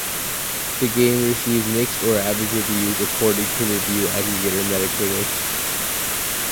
The game received "mixed or average" reviews according to review aggregator Metacritic.